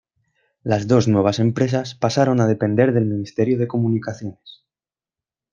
Las dos nuevas empresas pasaron a depender del Ministerio de Comunicaciones.